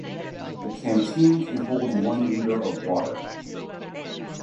The canteen can hold one liter of water.